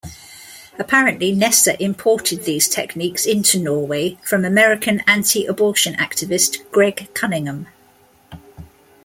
Apparently, Nessa imported these techniques into Norway from American antiabortion activist Gregg Cunningham.